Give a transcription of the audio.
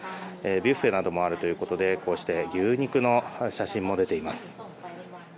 ビュッフェなどもあるということで牛肉の写真も出ています。